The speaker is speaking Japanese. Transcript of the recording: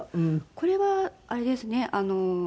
これはあれですね。